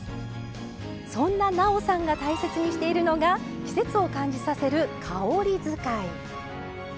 そんななおさんが大切にしているのが季節を感じさせる「香り使い」。